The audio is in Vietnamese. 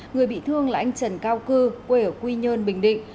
người bị thương là anh trần cao cư quê ở quy nhơn bình định